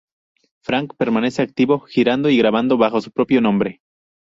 Frank permanece activo, girando y grabando bajo su propio nombre.